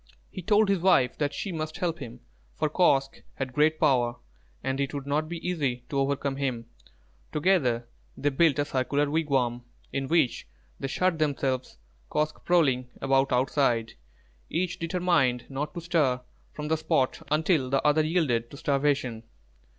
He told his wife that she must help him, for Kosq' had great power, and it would not be easy to overcome him. Together they built a circular wigwam, in which they shut themselves, Kosq' prowling about outside, each determined not to stir from the spot until the other yielded to starvation.